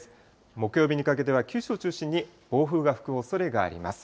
木曜日にかけては九州を中心に暴風が吹くおそれがあります。